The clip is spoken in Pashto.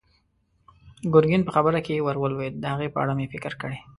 ګرګين په خبره کې ور ولوېد: د هغه په اړه مې فکر کړی.